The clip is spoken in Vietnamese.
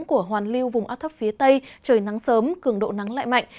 của hoàn lưu vùng áp thấp phía tây trời nắng sớm cường độ nắng lại mạnh